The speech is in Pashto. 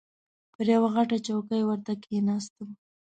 پر یوې غټه چوکۍ ورته کښېناستم.